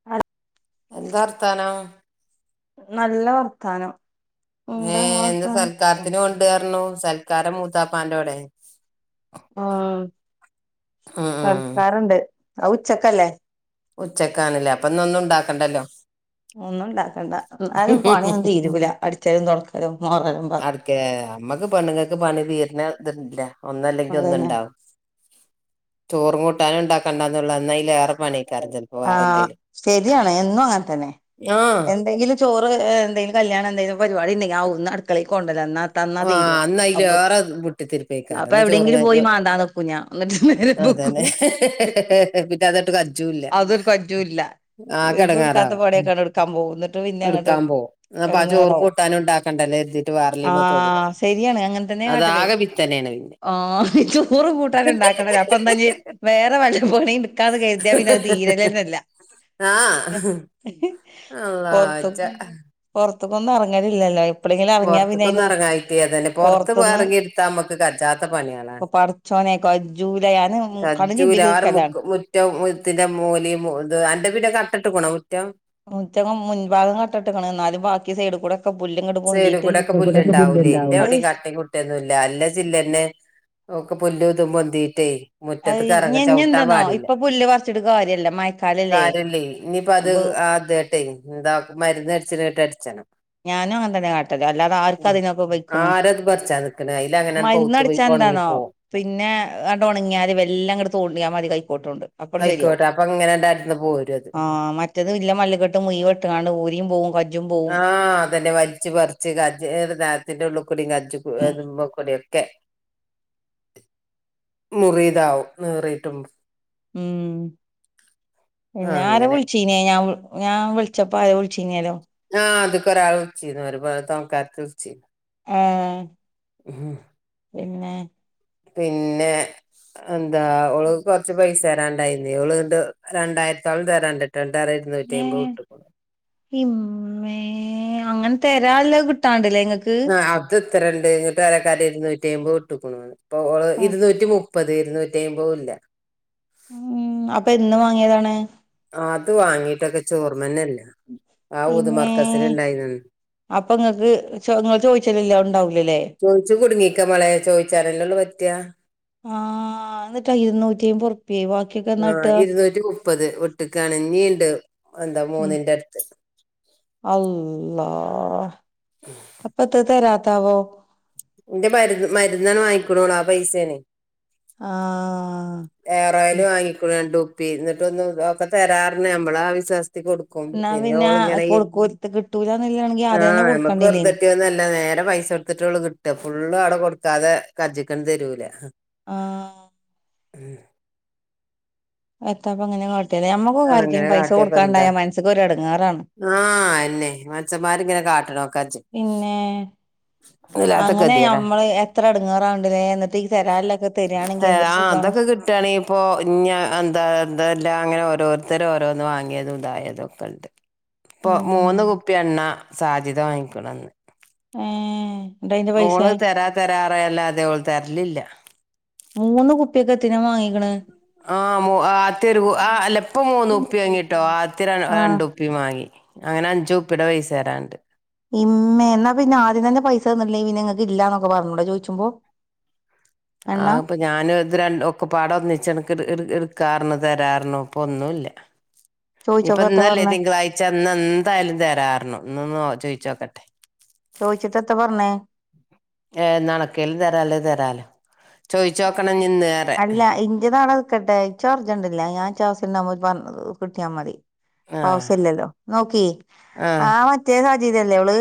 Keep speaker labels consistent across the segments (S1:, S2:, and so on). S1: അതെ
S2: എന്താ ർത്താനം?
S1: നല്ല വർത്താനം.
S2: ഏ
S1: എന്താ ഇങ്ങളെ
S2: ഇന്ന്
S1: വർത്താനം ഉം
S2: സൽക്കാരത്തിന് കൊണ്ടു പോയാരുന്നു. സൽക്കാരം മൂത്താപ്പാന്റെ വെടെ.
S1: ആ
S2: ഉം ഉം
S1: സൽക്കാരൊണ്ട്. അത് ഉച്ചക്കല്ലേ.
S2: ഉച്ചക്കാണല്ലേ അപ്പ ഇന്നൊന്നും ഉണ്ടാക്കണ്ടല്ലോ.
S1: ഒന്നും ഉണ്ടാക്കേണ്ട ഒന്നാത് പണിയൊന്നും തിരൂലാ. അടിച്ചാലും തൊടക്കലും മാറെല്.
S2: അടക്കേ നമ്മെക്ക് പെണ്ണുങ്ങക്ക് പണി തീരണ ഇതില്ല. ഒന്നല്ലെങ്കിൽ ഒന്ന്
S1: അതന്നെ
S2: ഉണ്ടാവും. ചോറും കൂട്ടാനൊണ്ടാക്ക്. കണ്ടെന്നുള്ള എന്നായില് ഏറെ പണിക്കെ അർജന്റ്. ചെലപ്പോ
S1: ആ
S2: വേറെന്തേലും.
S1: ശരിയാണ് എന്നും അങ്ങനെ തന്നെ
S2: ഞാ
S1: എന്തെങ്കിലും ചോറ് എന്തേലും കല്യാണ എന്തേലും പരിപാടി ഉണ്ടെങ്കിൽ ആ ഒന്ന് അടുക്കളേക്ക് കൊണ്ട് വെരാന്നാ തന്നാ
S2: ആ
S1: തീരുവോ? അപ്പോ
S2: അന്നതിലേറെ വിട്ടിത്തിരിപ്പേക്കാരൻ
S1: അപ്പൊ
S2: എന്നാ ചോറും
S1: എവിടെങ്കിലും
S2: കാ-
S1: പോയി
S2: ചോ-
S1: മാന്താ നിക്കൂ ഞാൻ. ഒര് നേരം പോക്ക്
S2: അതന്നെ [unintelligible]
S1: അതൊരു പരിച്ചോം ഇല്ല.
S2: ആ
S1: എന്നും എടുക്കാത്ത
S2: കിടങ്ങാറാവും ഉം.
S1: പണിയൊക്കാണ് എടുക്കാൻ പോകുന്നത്.
S2: എടുക്കാൻ പോം. അപ്പ ആ ചോറും കൂട്ടാനും ഒണ്ടാക്കേണ്ടല്ലോ എരുതിട്ട് വേറെലി
S1: ആഹ് ശരിയാണ് അങ്ങനെ തന്നെ കാട്ടല്.
S2: പിത്തനെയാണ് പിന്നെ
S1: ആഹ് ചോറും കൂട്ടാനും ഉണ്ടാക്കണം നമ്മ ഇപ്പ ഒന്നെങ്കി വേറെ വള്ളി പണിയെടുക്കാന്ന് കരുതിയാ പിന്നെത് തീരലേല്ലല്ല.
S2: ആ അള്ളാ
S1: പോർത്തു
S2: ച്ച.
S1: പൊറത്തേക്കൊന്നും എറങ്ങണില്ലല്ലേ.
S2: പൊറത്തേക്കൊന്ന് ഇറങ്ങായിട്ടിയേതന്നെ. പൊറത്ത് പോയ്
S1: പൊറത്ത്ന്ന്
S2: എറങ്ങി എടുത്താ നമ്മെക്ക് കച്ചാത്ത പണികളാണ്.
S1: ചോനേക്ക കജൂല യാണ് കടഞ്ഞി പിടിക്കുന്നോർക്കതാണ്.
S2: മുറ്റത്തിന്റെ മൂലയും ഇത് അന്റെ പിന്നെ കട്ടിട്ട് പോണം മുറ്റം.
S1: മുറ്റം മുൻ ഭാഗം കെട്ടെടുക്കണ്. എന്നാലും ബാക്കി സൈഡി കൂടെ. ഇപ്പം പുല്ലിങ്ങട്
S2: സൈഡിൽ
S1: പൊന്തീട്ട് [unintelligible]
S2: ഇവെടൊന്നുല്ല. അല്ല ചില്ലെന്നെ ഓക്ക് പുല്ലുതൂം മ്പോന്തീറ്റേ
S1: അത്
S2: മുറ്റത്ത്
S1: ഇഞ്ഞി
S2: കറങ്ങ
S1: ഇഞ്ഞി
S2: ചവിട്ടാൻ
S1: എന്താന്നോ
S2: പാടില്ല.
S1: ഇപ്പൊ പുല്ല് പറിച്ചിട്ട് കാര്യല്ല മഴക്കാലല്ലേ
S2: കാരില്ലി. ഇന്നിപ്പ അത്
S1: അപ്പൊ
S2: ആ അത് ട്ടെ ഇതാകുമ്പോ മരുന്ന് അടിച്ചിനേ കേട്ട് അടിച്ചേനം.
S1: ഞാനും അന്നരകാട് ട്ടല്ലാതെ ആർക്കാ അതിനൊക്കെ വെക്കുണു.
S2: ആരത് പറിച്ചാ നിക്കണെ അയില് അങ്ങനെയാണ്
S1: മരുന്ന്
S2: പൗത്ത് പോയി
S1: അടിച്ചാ
S2: ഒണങ്ങി
S1: എന്താന്നോ.
S2: പോവും
S1: പിന്നെ അട് ഒണങ്ങിയാല്. മെല്ലേയങ്ങ് തോണ്ടിയാൽ മതി കൈക്കോട്ടൊണ്ട്.
S2: കൈക്കോട്ട്. അപ്പൊ ഇങ്ങനെ എണ്ടായിടത്തുന്ന് പോരും അത്.
S1: ആഹ് മറ്റ് മറ്റേത് മള്ളിക്കെട്ടും കുഴിവെട്ടും അള്ള് ഊരിയും പോവും. കൽ
S2: ആഹ് അതന്നെ വലിച്ചു പറിച്ച് കജേടുതാൻ. ഇതിന്റെ ഉള്ളിൽ കൂടി
S1: ഉം
S2: ഇങ്ങാജുമ്പമ്മക്കെടിയെക്കെ. മുറിതാവും ന്നീറിട്ടൊണ്ട്.
S1: ഉം
S2: ആഹ്
S1: പിനാര
S2: അങ്ങനെ
S1: വിള്ച്ച്- പിനെ ഞാവ്ൾ ഞാവിൾച്ചപ്പോ ആരോ വിൾച്ചീനേലോ.
S2: ആഹ് ഇത്ക്കൊരാള് വിൾച്ചിര്ന്ന് ഒര് പോര തൊണക്കാര്ത്തി വിൾച്ചി-
S1: ആ ഹ്
S2: [inaudible]
S1: പിനെ
S2: പിനെ എന്താ ഓള്ക്ക്‌ കൊറച്ച് പൈസ തരാണ്ടായിനി- ഓള് ന്ന്ട്ട് രണ്ടായിരത്തോളം തരാൻ ണ്ട്ട്ടൊ ൻട്ട്റയാ ഇരുന്നൂറ്റി അയ്മ്പത്
S1: ഏഹ്
S2: വിട്ട്ക്കുണു.
S1: ഇമ്മേ അങ്ങനെ തെരാൻള്ളത് കിട്ടാണ്ട് ലെ ഇങ്ങക്ക്.
S2: ആ അത് ഇത്രണ്ട് ഇഞ്ഞി പെരക്കാരെ ഇരുന്നൂറ്റി അയ്മ്പത് വിട്ട് ക്കുണുന്ന് അപ്പൊ ഓള് ഇരുന്നൂറ്റി മുപ്പ- മുപ്പത് ഇരുന്നൂറ്റി അയ്മ്പതുല്ല.
S1: ഉം അപ്പെന്ന് വാങ്ങിയതാണ്.
S2: അത് വാങ്ങീട്ടൊക്കെ ച്ച് ഓർമ്മനല്ല.
S1: ഇമ്മേ അപ്പ ഇങ്ങക്ക് ചോ ങ്ങള് ചോയ്ച്ചലില്ല ഉണ്ടാവുലല്ലെ.
S2: ചോയ്ച്ചു കുടുങ്ങീക്ക മോളെ ചോയ്ച്ചാനല്ലേള്ളൂ പറ്റാ.
S1: ആഹ് ന്ന്ട്ട് അ ഇരുന്നൂറ്റി അയ്മ്പത് ഉർ പ്യെ വാ
S2: ആഹ് ഇരുന്നൂറ്റി മുപ്പത് വിട്ട്ക്കാണ് ഞ്ഞിണ്ട് എന്താ മൂന്നിന്റെട്ത്ത്.
S1: അള്ളാഹ് അപ്പത്താ തരാത്താവോ?
S2: ന്റെ മര്ന്ന് മര്ന്നാണ് വാങ്ങിക്കണോള് ആ പൈസേണെ.
S1: ആഹ്
S2: എയർ ഓയില് വാങ്ങിക്കുണു രണ്ട് കുപ്പി ന്ന്ട്ട് ഒന്ന് ത് ഒക്കെ തരാർഞ് നമ്മളാ വിശ്വാസത്തി കൊടുക്കു. ക്കും
S1: എന്നാ
S2: പിനെ
S1: പിന്നെ
S2: ഓളിങ്ങനെ ഈ
S1: കൊടുക്കോര്ത്ത് കിട്ടൂലന്നില്ലാണെങ്കി ആദ്യന്നെ
S2: ആഹ് നമ്മക്ക്
S1: കൊടുക്കണ്ടില്ലേനി
S2: വെർതെട്ട്യൊന്നല്ല നേരെ പൈസൊട്ത്. ത്ത്ട്ടൊള്ളൂ കിട്ട ഫുള്ളും അവടെ കൊടുക്കാതെ കജിക്കണ്ട് തരൂല.
S1: ആഹ്
S2: [unintelligible]
S1: എത്താപ്പങ്ങനെ കാട്ട്യാത് ഞമ്മക്കൊക്കെ
S2: ആഹ് അങ്ങനെ
S1: ആര്ക്കേലും പൈസ
S2: കാട്ടിയപ്പ എന്താ
S1: കൊടുക്കാണ്ടായ മനസ്സ് ക്കൊര് എടങ്ങേറാണ്.
S2: ആഹ് അയനെ മൻഷന്മാരിങ്ങനെ കാട്ട്ണോക്കാജ്ജ്‌.
S1: പിന്നെ അങ്ങനെ
S2: ഗതികേടാ
S1: ഞമ്മള് എത്ര എടങ്ങേറാവ്ണ്ട്ലേ ന്ന്ട്ട്- ത്തി തരാല്ലൊക്കെ തെരാണെങ്കി എന്തൊരു സുഖണ്.
S2: ട്ടാണെങ്കിപ്പോ ഞ് എന്താ എന്താല്ലാ ഇങ്ങനെ ഓരോര്ത്തരും ഓരോന്ന് വാങ്ങിയതും ഉണ്ടാ യതൊക്ക്‌ണ്ട്. പ്പൊ മൂന്ന്
S1: ഉം
S2: കുപ്പി എണ്ണ സാജിത വാങ്ങിക്ണ്ന്ന്.
S1: ഏഹ്
S2: ഓള് തരാ തരാറയല്ലാതെ ഓള് തെര് ലില്ല.
S1: മൂന്ന് കുപ്പിക്കെത്തിനാ വാങ്ങിക്ണ്.
S2: ആ മു ആത്യ ഒരു ആ അല്ലപ്പം മൂന്ന് കുപ്പി വാങ്ങിട്ടോ ആദ്യം ര
S1: ആഹ്
S2: രണ്ട് കുപ് പ്പി മാങ്ങി അങ്ങനെ അഞ്ച് കുപ്പിടെ പൈസ തരാണ്ട്.
S1: ഇമ്മേ ന്നാ പിനെ ആദ്യം തന്നെ പൈസ തന്നിട്ടില്ലെങ്കി നിങ്ങക്ക് ഇല്ലാന്നൊക്കെ പർഞ്ഞുടെ ചോയ് ച്ചുമ്പോ.
S2: അത് പറ്റ് ഞാന് ഇത് രണ്ടും ഒക്കെ പാടെ ഒന്നിച്ച് എനിക്ക് ഇട് ഇട് ഇട്ക്കാർഞ്ഞു തരാർഞ്ഞു ഇപ്പൊന്നുല്ല.
S1: ചോയ്ച്ചപ്പെത്ത പർന്.
S2: ച്ച് എന്ന് എന്തായ്ലും തരാർന്നു ഇന്നൊന്ന് ചോയ്ച്ചോക്കട്ടെ.
S1: ചോയ്ച്ചിട്ടെത്ത പർന്.
S2: ഏ ന്നണക്കൽ തരാള്ളെയ് തരാലൊ ചോയ്ച്ചോക്കണം ഇഞ് നിന്ന്ർ-
S1: അല്ല ഇന്റെതാടെ നിക്കട്ടെ ച്ചിർജണ്ടില്ല ഞാൻ ച്ചി ആവശ്യം ണ്ടാവുബോ പർനതു കിട്ട്യാ മതി.
S2: ആ
S1: ആവ്ഷില്ലല്ലോ നോക്കി ആ മറ്റേ സാജിതല്ലേ ഓള്.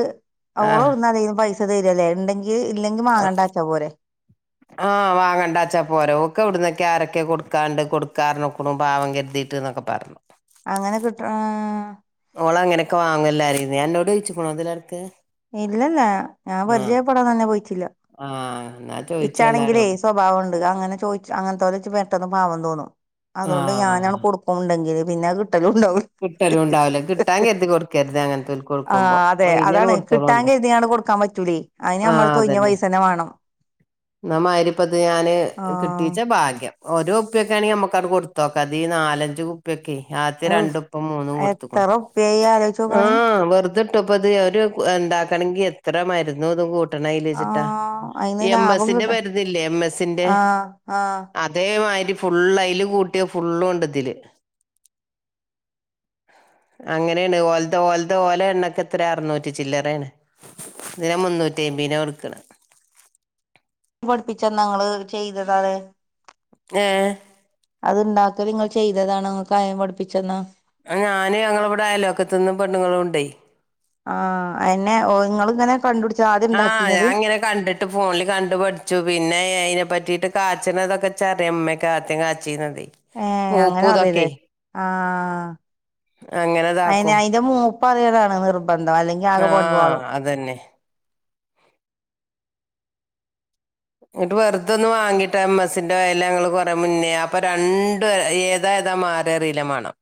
S2: ആ
S1: ഓളോവ്ടന്നാ യ്ന്ന് പൈസ തരല്ലേ ണ്ടങ്കിൽ ഇല്ലെങ്കിൽ വാങ്ങേണ്ടാച്ചാ പോരെ.
S2: ആഹ് വാങ്ങണ്ടാച്ചാ പോരോ ഓക്ക്‌ എവിടുന്നൊക്കെ ആരൊക്കെ കൊടുക്കാണ്ട് കൊടുക്കാർഞ്ക്കുണു പാവം കരുതി. ട്ട് ന്നൊക്കെ പർഞ്ഞു.
S1: അങ്ങനെ കിട്ട്ണ
S2: ഓള് അങ്ങനൊക്കെ വാങ്ങു എല്ലാരെന്നും അന്നോട് ചോയ്ച്ചിക്ക്ണോ ഇതിനെട്ക്ക്
S1: ഇല്ലല്ല ഞാൻ പരിചയപ്പെടാൻ തന്നെ പോയിട്ടില്ല
S2: ആ ന്നാ
S1: ഇച്ചാണെങ്കിലേ സ്വഭാവം ഇണ്ട് അങ്ങനെ ചോയിച അങ്ങൻത്തൊലെ ഇച്ച് പെട്ടന്ന് പാവം തോന്നും അതുകൊണ്ട് ഞാനാണ്
S2: ആഹ്
S1: കൊടുക്കും ഇണ്ടെങ്കില് പിന്നെ കിട്ടലും ഉണ്ടാവൂല
S2: കിട്ടലും ഇണ്ടാവൂല കിട്ടാൻ കര്തി കൊടുക്കര്ത് അങ്ങൻത്തോൽക്ക്
S1: ആ
S2: കൊടുക്കുമ്പോ ഒഴിഞാണ്ട് കൊടുത്തോളോണ്ടു
S1: ക്കാം പറ്റൂലേ അഴിന് ഞമ്മള അട്ത്ത് ഒഴിഞ്ഞ പൈസന്നെ വാണം
S2: ന്നാമായിരിപ്പത് ഞാന്
S1: ആ
S2: കിട്ടീച്ച ഭാഗ്യം ഒരോ കുപ്പ്യക്കെ ആണെങ്കില് നമുക്ക് ആണ്ട് കൊടുത്തോക്കാ ഇത് ഈ നാലഞ്ച് പ്പക്കെ ആദ്യ
S1: ഔ
S2: രണ്ടും ഇപ്പം മൂന്നും
S1: എത്ര
S2: കൊടുത്ത്ക്ക്ണ്
S1: ഉറുപ്പ്യായി ആലോചിച്ച്
S2: ആ
S1: നോക്കാണി
S2: വെർതെ ട്ടപ്പത് ഒരു ഇണ്ടാക്കണെങ്കി എത്ര മര്ന്നും ഇതും കൂട്ടണം
S1: ആ
S2: അയില്ചിട്ടാ
S1: അതിന്
S2: എം
S1: ലാഭം
S2: എസി ന്റെ
S1: കിട്ട
S2: മര്ന്നില്ലേ എം എസി ന്റെ
S1: ആ ആ
S2: അ അതേമായിരി ഫുള്ള് അയില് കൂട്ടിയ ഫുള്ളും ഇണ്ട് ഇതില് അങ്ങനെണ് ഓൽതൊ ഓൽതൊ ഓല എണ്ണക്കെ എത്ര അറുന്നൂറ്റി ചില്ലറേണ് ഇതിന് മുന്നൂറ്റി അയ്മ്പേന കൊട്ക്ക്ണ
S1: പഠിപ്പിച്ചന്നാ ങ്ങള് ചെയ്തത അതെ
S2: ഏ
S1: അത്ണ്ടാക്കല് ഇങ്ങൾ ചെയ്തതാണോ ഇങ്ങക്ക് ആരേം പഠിപ്പിച്ചന്നാ
S2: ആ ഞാന് ഞങ്ങള ഇവടെ അയലോക്കത്ത്ന്ന് പെണ്ണ്ങ്ങളും ഇണ്ടേ
S1: ആ അ എന്നെ ഓ ഇങ്ങള് ഇങ്ങനെ കണ്ടുപിടി
S2: ആ ഞാങ്ങനെ കണ്ട്ട്ട് ഫോൺല് കണ്ടു പഠിച്ചു പിന്നെ അയിനെ പറ്റിയിട്ട് കാച്ണതൊക്കെ ഇച്ചറിയ ഇമ്മേക്കെ [unintelligible] ചീനതെ
S1: ഏ അങ്ങനെ അറിയ ലെ ആ
S2: അങ്ങനെ
S1: അയിന്
S2: ഇതാക്കും
S1: അയിന്റെ മൂ പ്പറിയലാണ് നിർബന്ധം അല്ലെ
S2: ആ അതന്നെ ന്നട്ട് വെർതൊന്ന് വാങ്ങിട്ട് എം എസി ന്റെ ഓയല് ഞങ്ങള് കൊറ മുന്നേ അപ്പ രണ്ടു ഏതാ ഏതാ മാ ക്കറീല മണം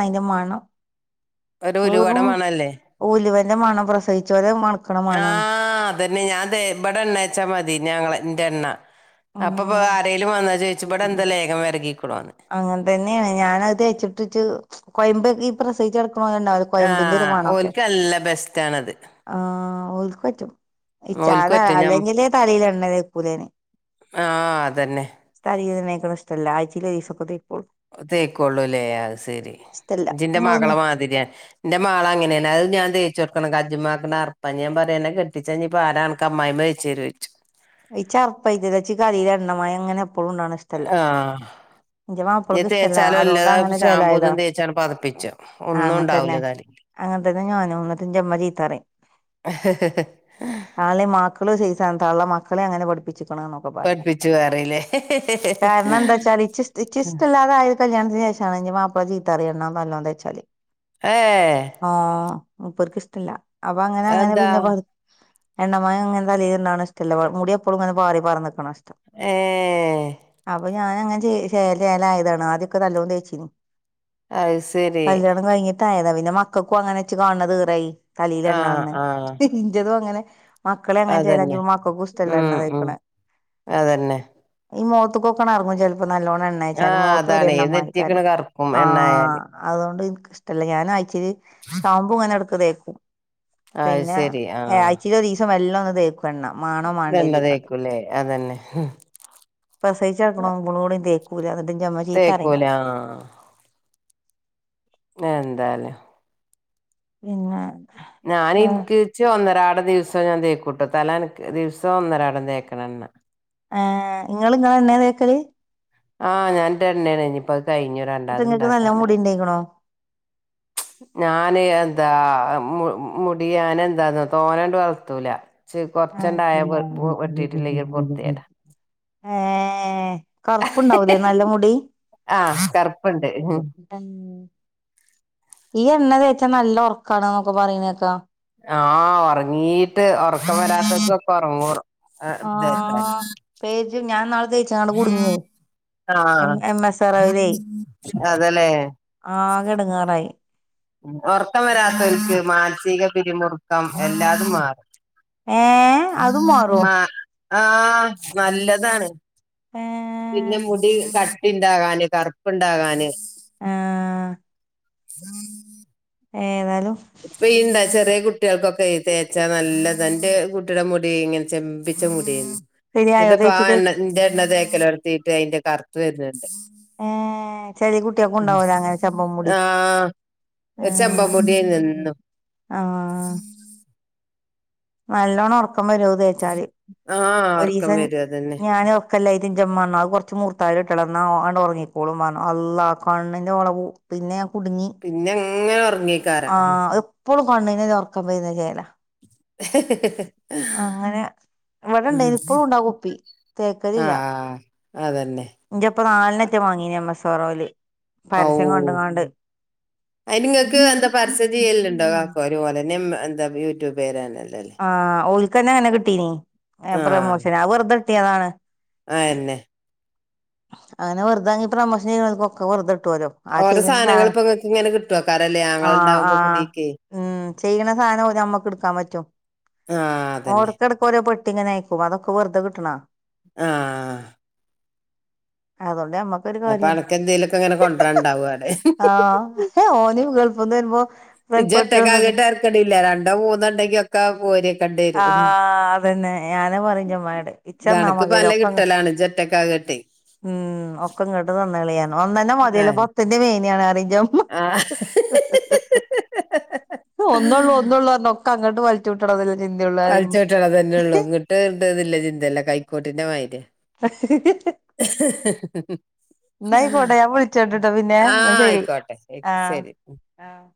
S1: അയിന്റെ മണം
S2: ഒരു ഉലുവയുടെ
S1: വെറും
S2: മണല്ലേ
S1: ഉലുവന്റെ മണം പ്രസവിചോലെ മൺക്ക്ണ മണാണ്
S2: ആഹ് അതന്നെ ഞാത് ഇബടെ എണ്ണേച മതി ഞങ്ങള ന്റെ എണ്ണ അപ്പ പ്പൊ ആരെലും വന്നാ ചോയിച്ചും ഇബടെ എന്താ ലേഖം വര്ഗിക്ക്ണോന്ന്
S1: അങ്ങൻ തന്നെണ് ഞാൻ അത് തെച്ച്ട്ട് ഇച്ച് കോയമ്പ് ഈ പ്രസവിച്ചട്ക്ക്ണോല്
S2: ആ ഓൽക്ക് നല്ല ബെസ്സ് ആണ്ത്
S1: ആ ഓൽക്ക് പറ്റും ഈ
S2: ഓൽക്ക്
S1: [unintelligible]
S2: പറ്റും ഞാൻ
S1: അല്ലെങ്കിലേ തലയില് എണ്ണ തേക്കൂല ഞാന്
S2: ആ അതന്നെ
S1: തലേല് എണ്ണ തേക്ക്ണ ഇഷ്ടല്ല ആഴ്ചേല് ഒരീസൊക്കെ തെക്കൊള്ളൂ
S2: തേക്കൊള്ളൂ ലെ അയ് സരി
S1: ഇഷ്ടല്ല
S2: ഇജ്ജ് ഇന്റ മകള
S1: നിങ്ങളൊന്നും
S2: മാതിരിയാ ഇന്റെ മാളങ്ങനെണ് അത് ഞാ തേച്ചൊട്ക്കണം കജ്ജ്മാക്ക്ണ അർപ്പ ഞാൻ പറിം അന്നേ കെട്ടിച്ച ഇഞ് പ്പ ആരാ ക്ക അമ്മായിമ്മ തെച്ചോരോയ്ച്ചും
S1: ഇച്ച് അർപ്പാ [unintelligible] ഇച്ച് തലേല് എണ്ണ മയങ്ങനെ എപ്പളും ഇണ്ടാവ്ണ ഇഷ്
S2: ആ ഇഞ്
S1: ഇഷ്ടല്ല
S2: തേച്ചാലും
S1: അതുകൊണ്ട്
S2: എല്ലതും
S1: അങ്ങനെ
S2: ഷാംമ്പൂ
S1: ചേലായതാ
S2: തും തേച്ചാണ്ട് പതപ്പിച്ച ഒന്നു ഉണ്ടാവൂല തലേല്
S1: അങ്ങൻ തന്നെ ഞാനും ന്നട്ട് ഇന്റെ ഇമ്മ ചീത്തറിം
S2: അ
S1: തള്ളീം മക്കളു ഒരു സൈസാണ് തള്ള മക്കളെ അങ്ങനെ പഠി പ്പിച്ചിക്ക്ണ് ന്നൊക്കെ പറിം
S2: പഠിപ്പിച്ചു പറയില്ലേ
S1: കാര്ണംന്താ ച്ചാല് ഇച്ച് ഇഷ് ഇച്ച് ഇഷ്ടല്ലാതെ ആയെ കല്യാൺത്തിന് ശേഷാണ് ഇന്റെ മാപ്പള ചീത്തറിം എണ്ണ നല്ലോം തേച്ചാല്
S2: ഏഹ്
S1: ആഹ് മുപ്പർക്ക് ഇഷ്ടമല്ല അപ്പൊ അങ്ങനെ അങ്ങനെ
S2: എന്താ
S1: പിന്നെ പ എണ്ണമയും അങ്ങെന്ത തലില് ഇണ്ടക്ക്ണത് ഇഷ്ടല്ല മുടിയപ്പോും ഇങ്ങനെ പാറി പറാന്ന് നിക്ക്ണാ ഇഷ്ടം
S2: ഏ
S1: അപ്പ ഞാന അങ്ങന ശേല ആയതാണ് ആദ്യൊക്കെ നല്ലോ തേച്ചിന്നു
S2: അത് ശരി
S1: കല്യാണം കഴിഞ്ഞിട്ടായതാ പിന്നെ മക്കൾക്കും അങ്ങനെ ഇച്ച് കാണ് ണ ത് ഈറായി തലല്
S2: ആ
S1: എണ്ണ കാണ്
S2: ആ
S1: ണത് ഇറ്റതും അങ്ങനെ മക്കളെ അങ്ങനെ ചെലാക്കി
S2: അതന്നെ
S1: ഇപ്പം മക്കൾക്കും ഇഷ്ടല്ല എണ്ണ
S2: ഉം ഉം
S1: തേക്ക്ണത്
S2: അതന്നെ
S1: ഈ മുഖത്ത് കൊക്കെ ഇറങ്ങും ചിലപ്പോ നല്ലോണ്ണം
S2: ആ
S1: എണ്ണയച്ചാല് മുഖത്ത് ഒര്.
S2: അതാണ്
S1: എണ്ണമയം
S2: നെറ്റിയൊക്കണ്
S1: ആയക്കാരം
S2: കറുക്കും
S1: ആഹ്
S2: എണ്ണായാല്
S1: അതുകൊണ്ട് എനിക്കിഷ്ടമല്ല ഞാന് ആയ്ച്ചോല് ഷാമ്പൂ ഇങ്ങനെ എടക്ക് തേക്കും
S2: അത്
S1: പിന്നെ
S2: ശരി ആ
S1: ആഴ്ച്ചില് ഒരുദിവസോ വല്ലോ ഒന്ന് തേക്കും എണ്ണ മാണോ
S2: എണ്ണ തേക്കുലേ അതെന്നെ
S1: പ്രസവിച്ചു കിടക്കുന്നബളോടും തേക്കൂല എന്നിട്ട് ഇന്റെ ഉമ്മ ചീത്ത പറയും എന്നെ
S2: ആഹ് എന്താലേ
S1: പിന്നെ
S2: ഞാൻ
S1: ഏഹ്
S2: എനിക്ക് ഇച്ച് ഒന്നരാടം ദിവസം ഞാൻ തേക്കൂട്ടോ തല നനക്ക് ദിവസവും ഒന്നരാടം തേക്കണം എണ്ണ
S1: ഏ നിങ്ങള് ഇങ്ങളെ എണ്ണ തേക്കല്
S2: ആഹ് ഞാൻ ഇന്റെ എണ്ണാണ് ഇനിപ്പത് കഴിഞ്ഞ് രണ്ടാമത് ഇണ്ടാക്കാന് ആയിന്
S1: ആയ്ക്ക്ണോ
S2: ഞാന് എന്താ മു മുടി യാന് എന്താന്നെ തോന്നേണ്ട് വളർത്തൂല ച്ച്
S1: ആഹ്
S2: കൊറച്ചെണ്ടായ വെട്ടിട്ടില്ലെങ്കിൽ പൊർത്തേടാ
S1: ഏഹ് കറുപ്പണ്ടാവുല്ലേ നല്ല മുടി
S2: ആഹ് കറുപ്പുണ്ട്
S1: കറുപ്പ് ഇണ്ട് ഉം ഈ എണ്ണ തേച്ചാല് നല്ല ഒർക്കാണ് എന്നൊക്കെ പറയുന്നേക്കാ
S2: ആഹ് ഒറങ്ങീട്ട് ഉറക്കം വരാത്തെൽ ഒക്കെ ഒറങ്ങൂ
S1: ആഹ് പേച്ചു ഞാൻ ഇനാള് തേച്ചങ്ങാണ്ട് കുടുങ്ങി എ
S2: ആഹ്
S1: എം എസ് ആറിലേ
S2: അതല്ലേ
S1: ആകെ ഇടങ്ങാറായി
S2: ഒർക്കം വരാത്തവർക്ക് മാനസിക പിരിമുറുക്കം എല്ലാതും മാറും
S1: ഏ അതും മാറോ
S2: മാ ആഹ് നല്ലതാണ്
S1: ഏ
S2: പിന്നെ മുടി ക കട്ടി ഉണ്ടാകാന് കറുപ്പ് ഉണ്ടാകാന്
S1: ആഹ്
S2: ഉം
S1: ഏതായാലും
S2: ഇപ്പണ്ടാ ചെറിയ കുട്ടികൾക്കൊക്കെ തേച്ചാ നല്ലതാ ഇന്റെ കുട്ടിയുടെ മുടി ഇങ്ങനെ ചെമ്പിച്ച മുടി
S1: ശരിയായോ
S2: എന്നിട്ടപ്പ ആ
S1: തേച്ചത്
S2: എണ്ണ ഇന്റെ എണ്ണതേക്കലോട് ങ്ങിട്ട് അതിന്റെ കറുത്ത് വരുണ്
S1: ഏ ചെല കുട്ടികൾക്കും
S2: ഉണ്ട്
S1: ഉണ്ടാവൂലോ അങ്ങനെ ചെമ്പൻ മുടി
S2: ആഹ് ഒര് ചെമ്പൻ
S1: ആഹ്
S2: മുടി ആയി
S1: ആഹ് നല്ലോണ്ണം ഒറക്കുമ്പോരും അത് തേച്ചാല്
S2: ആഹ്
S1: ഒരു
S2: ഉറക്കം
S1: ദിവസം
S2: വരും അതന്നെ
S1: ഞാന് ഉറക്കമില്ലായിട്ട് ഇന്റ ഉമ്മ പറഞ്ഞു അത് കുറച്ച് മൂർത്തായില്. ഇട്ടാള ഇന്നാ അണ്ട് ഉറങ്ങിക്കോളും അള്ളാ കണ്ണിന്റെ പോള പൂ പിന്നെ കുടുങ്ങി
S2: പിന്നെ അങ്ങനെ ഉറങ്ങിക്കാരം
S1: ആ എപ്പോഴും കണ്ണ്ന് ഒറക്കം വരുണ ചേലാ അങ്ങനെ ഇവിടെ
S2: ആഹ്
S1: ഇണ്ടായിന് ഇപ്പളും ഉണ്ടാ കുപ്പി
S2: ആഹ് അത് തന്നെ
S1: ഇന്റെ ഇപ്പ നാലെണ്ണം വാങ്ങീനീ എമ്മസോറോല് പരസ്യം കണ്ടങ്ങാണ്ട്
S2: അയ് നിങ്ങൾക്ക് എന്താ പരസ്യ ചെയ്യല്ലുണ്ടോ കാക്കോ ഓര് തന്നെ എന്താ യൂട്യൂബ് കാര് ആണല്ല
S1: ആഹ് ഓൽക്കന്നെ അങ്ങനെ കിട്ടീനി പ്രൊമോഷന് വെറുതെ കിട്ടിയതാണ്
S2: ആയ് തന്നെ
S1: അങ്ങനെ വെറുതെ വാങ്ങിപ്രമോഷൻ ചെയ്യുണോൽക്ക് ഒക്കെ വെറുതെ കിട്ടു വല്ലേ
S2: ഓരോ സാനങ്ങള് ഇപ്പൊങ്ങക്ക് ഇങ്ങനെ കിട്ടോ ക്കാരല്ലേ
S1: ആഹ്
S2: അങ്ങളണ്ടാവുമ്പോ
S1: ആഹ്
S2: കുടീക്ക്
S1: ഉം ചെയ്യണ സാനം ഓര് നമ്മക്ക് എടുക്കാൻ പറ്റു
S2: ആഹ് അതന്നെ
S1: കൊറെ പെട്ടി ഇങ്ങനെ ആയക്കു അതൊക്കെ വെറുതെ കിട്ടണ
S2: ആഹ്
S1: അതൊണ്ട് നമ്മ
S2: അപ്പൊ അനക്കെന്തേലൊക്കെങ്ങനെ കൊണ്ടരാന്ണ്ടാവു അലെ
S1: ആഹ് ഓന് ഗൾഫിന്ന് വരുമ്പോ
S2: ഇജറ്റക്ക
S1: പെട്ടികൊണ്ടന്ന്
S2: ആകിട്ട് ഇരക്കണ്ടല്ല രണ്ടോ മൂന്നോ ഉണ്ടെങ്കി ഒക്കെ പോര്
S1: ആഹ് അതന്നെ ഞാന പറഞ്ഞ് മ്മായോട്
S2: ഇത്
S1: ഇച്ചന്നാ
S2: അനക്കിപ്പോ നല്ല
S1: മതിനുലൊക്കെ
S2: കിട്ടലാണ് ഇജ്ജ് ഒറ്റക്കാകട്ടെ
S1: ഉം ഒക്കെ ഇങ്ങോട്ട് തന്നളിയാന ഒന്നന്നെ മതില്ല പത്തിന്റെ മേനിയാണറി ജ്ജും
S2: ആഹ്
S1: ഒന്നുള്ളൂ ഒന്നള്ളൂ പറഞ്ഞ് ഒക്കെ അങ്ങട്ട് വലിച്ചു വിട്ടണല്ലേ
S2: വലിച്ച വെട്ടുള്ളതന്നുള്ളു ഇങ്ങിട്ട്തില്ല ചിന്തല്ല കൈക്കോട്ടിന്റെ മാരിയാ
S1: [inaudible]
S2: [inaudible]
S1: എന്നായിക്കോട്ടെ ഞാൻ വിളിച്ചോണ്ടിട്ടോ എന്നാ
S2: ആ
S1: ശെരി
S2: ആയിക്കോട്ടെ
S1: ആഹ്
S2: ശരി
S1: ആഹ്